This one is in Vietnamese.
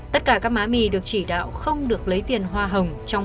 tất cả các má mì được chỉ đạo không được lấy tiền hoa hồng